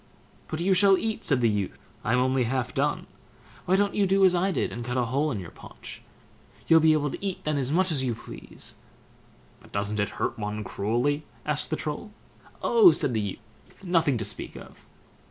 "But you shall eat", said the youth; "I'm only half done; why don't you do as I did, and cut a hole in your paunch? You'll be able to eat then as much as you please." "But doesn't it hurt one cruelly?" asked the Troll. "Oh", said the youth, "nothing to speak of."